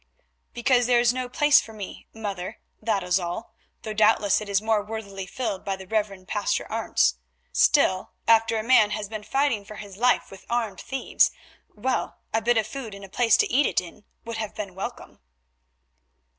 "Because there is no place for me, mother, that is all, though doubtless it is more worthily filled by the Rev. Pastor Arentz. Still, after a man has been fighting for his life with armed thieves, well—a bit of food and a place to eat it in would have been welcome."